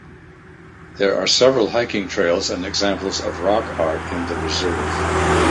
There are several hiking trails and examples of rock art in the reserve.